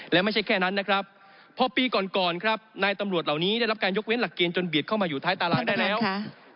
และไม่ใช่แค่นั้นนะครับพอปีก่อนก่อนครับนายตำรวจเหล่านี้ได้รับการยกเว้นหลักเกณฑ์จนเบียดเข้ามาอยู่ท้ายตารางได้แล้ว